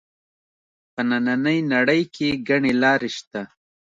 په نننۍ نړۍ کې ګڼې لارې شته